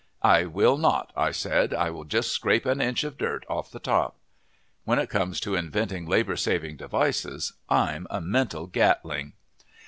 "I will not," I said. "I will just scrape an inch of dirt off the top!" When it comes to inventing labor saving devices, I'm a mental gatling.